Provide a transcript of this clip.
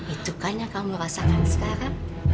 itu kan yang kamu rasakan sekarang